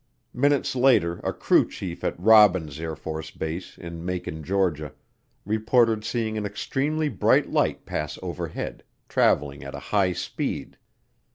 Minutes later a crew chief at Robins Air Force Base in Macon, Georgia, reported seeing an extremely bright light pass overhead, traveling at a high speed.